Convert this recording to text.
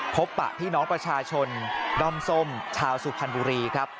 ปะพี่น้องประชาชนด้อมส้มชาวสุพรรณบุรีครับ